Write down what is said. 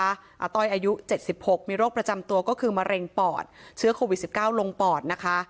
อาต้อยอายุ๗๖มีโรคประจำตัวก็คือมะเร็งปอดเชื้อโควิด๑๙ลงปอดนะคะ